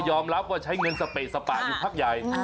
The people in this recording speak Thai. รับว่าใช้เงินสเปสปะอยู่พักใหญ่